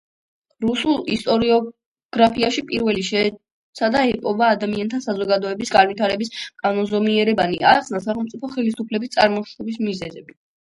რუსულ ისტორიოგრაფიაში პირველი შეეცადა ეპოვა ადამიანთა საზოგადოების განვითარების კანონზომიერებანი, აეხსნა სახელმწიფო ხელისუფლების წარმოშობის მიზეზები.